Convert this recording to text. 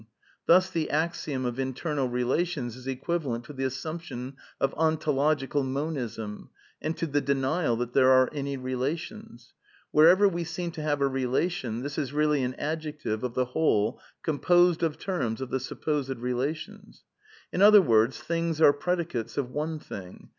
Thus the axiom of internal relations is equivalent to the assiunption of ontological Monism and to the denial that there are any relations. Wherever we seem to have a relation, this is really an adjective of the whole composed of terms of the supposed relations." (Philosophical Essays, p. 163.) In other words, t hings ar e predicates of one Thing.